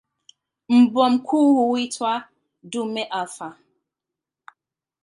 Mbwa mkuu huitwa "dume alfa".